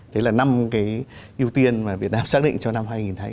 đấy là năm cái ưu tiên mà việt nam xác định cho năm hai nghìn hai mươi